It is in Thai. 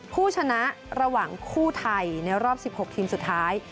ผู้ชนะระหว่างคู่ไทยในรอบ๑๖ทีมสุดท้าย